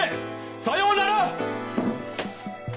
さようなら！